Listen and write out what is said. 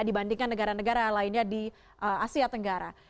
dibandingkan negara negara lainnya di asia tenggara